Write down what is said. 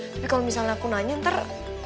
tapi kalau misalnya aku nanya ntar